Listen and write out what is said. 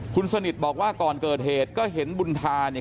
คุณสนิทบอกว่าก่อนเกิดเหตุก็เห็นบุญธาเนี่ย